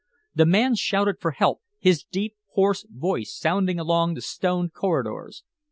The man shouted for help, his deep, hoarse voice sounding along the stone corridors.